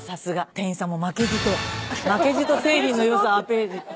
店員さんも負けじと負けじと製品の良さをアピール。